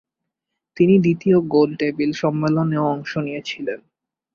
তিনি দ্বিতীয় গোলটেবিল সম্মেলনেও অংশ নিয়েছিলেন।